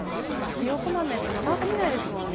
ひよこ豆ってなかなか見ないですもんね。